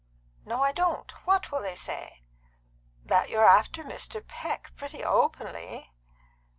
"No, I don't. What will they say?" "That you're after Mr. Peck pretty openly."